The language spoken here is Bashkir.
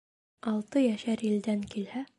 Алты йәшәр илдән килһә